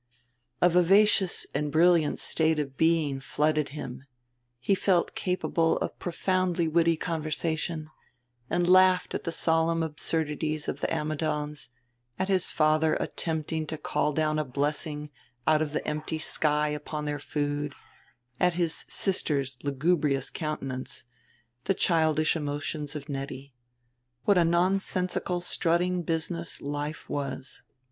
A vivacious and brilliant state of being flooded him; he felt capable of profoundly witty conversation, and laughed at the solemn absurdities of the Ammidons, at his father attempting to call down a blessing out of the empty sky upon their food, at his sister's lugubrious countenance, the childish emotions of Nettie. What a nonsensical strutting business life was.